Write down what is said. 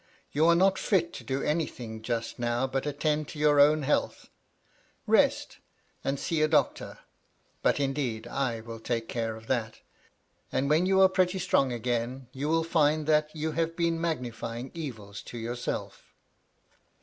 You are not fit to do anything just now but attend to your own health : rest, and see a doctor (but, indeed, I will take care of that), and when you are pretty strong again, you will find that you have been magnifying evils to yourself."